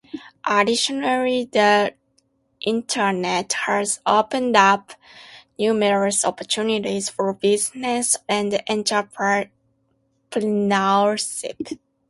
Additionally, the internet has opened up numerous opportunities for businesses and entrepreneurship.